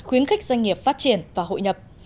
khuyến khích doanh nghiệp phát triển và hội nhập